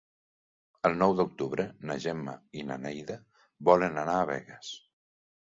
El nou d'octubre na Gemma i na Neida volen anar a Begues.